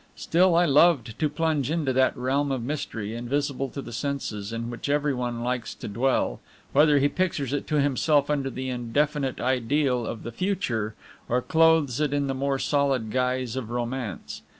Still, I loved to plunge into that realm of mystery, invisible to the senses, in which every one likes to dwell, whether he pictures it to himself under the indefinite ideal of the Future, or clothes it in the more solid guise of romance.